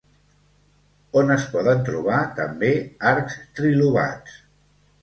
On es poden trobar també arcs trilobats?